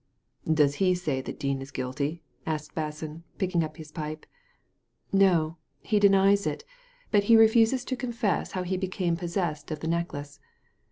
'' Does he say that Dean is guilty ?" asked Basson, picking up his pipe. " No ; he denies it, but refuses to confess how he became possessed of the necklace.